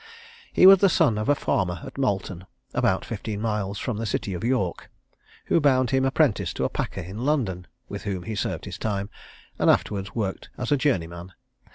He was the son of a farmer at Malton, about fifteen miles from the city of York, who bound him apprentice to a packer in London, with whom he served his time, and afterwards worked as a journeyman.